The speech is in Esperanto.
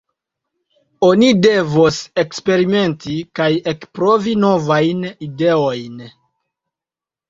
Oni devos eksperimenti kaj ekprovi novajn ideojn.